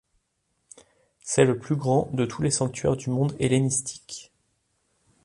C'est le plus grand de tous les sanctuaires du monde hellénistique.